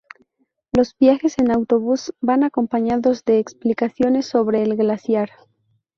Los viajes en autobús van acompañados de explicaciones sobre el glaciar.